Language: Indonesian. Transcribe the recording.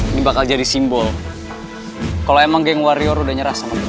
ini bakal jadi simbol kalo emang game warrior udah nyerah sama gue